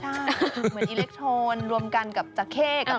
ใช่เหมือนอิเล็กโทนรวมกันกับจาแค่กับซอ